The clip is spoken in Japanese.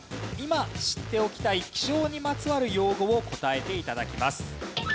今知っておきたい気象にまつわる用語を答えて頂きます。